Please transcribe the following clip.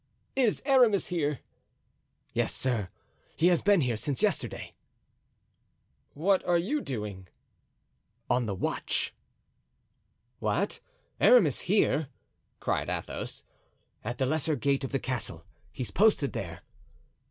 "Is Aramis here?" "Yes, sir; he has been here since yesterday." "What are you doing?" "On the watch——" "What! Aramis here?" cried Athos. "At the lesser gate of the castle; he's posted there."